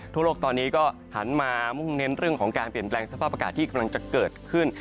ทั่วโลกตอนนี้ก็หันมามุ่งเน้นเรื่องของการเปลี่ยนแปลงสภาพอากาศที่กำลังจะเกิดขึ้น